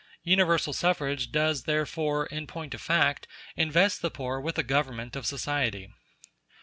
Universal suffrage does therefore, in point of fact, invest the poor with the government of society.